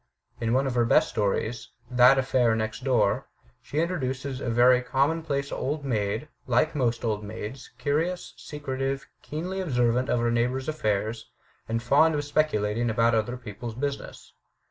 In one of her best stories, 'That Affair Next Door,' she introduces us to a very com monplace old maid, like most old maids curious, secretive, keenly observant of her neighbours' affairs, and fond of speculating about other people's business.